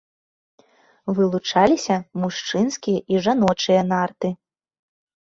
Вылучаліся мужчынскія і жаночыя нарты.